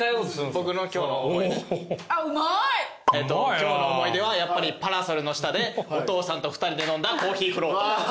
今日の思い出はやっぱりパラソルの下でお父さんと２人で飲んだコーヒーフロート。